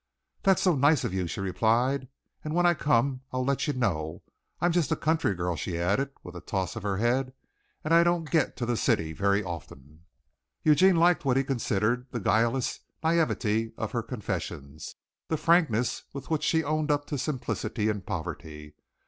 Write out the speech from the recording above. "That's so nice of you," she replied. "And when I come I'll let you know. I'm just a country girl," she added, with a toss of her head, "and I don't get to the city often." Eugene liked what he considered the guileless naïveté of her confessions the frankness with which she owned up to simplicity and poverty.